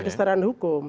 ya setaraan hukum